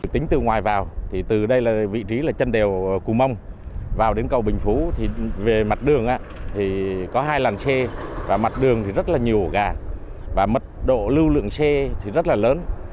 tính từ ngoài vào thì từ đây là vị trí là chân đèo cù mông vào đến cầu bình phú thì về mặt đường thì có hai làn xe và mặt đường thì rất là nhiều gà và mật độ lưu lượng xe thì rất là lớn